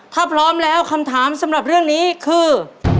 ถ้าพร้อมแล้วคำถามสำหรับเรื่องนี้คือ